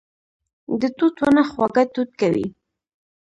د توت ونه خواږه توت کوي